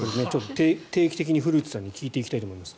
定期的に古内さんに聞いていきたいと思います。